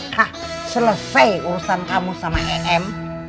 kakak selesai urusan kamu sama ngm